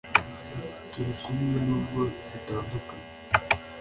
turi kumwe nubwo dutandukanye.